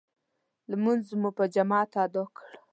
لمونځ مو په جماعت ادا کړ.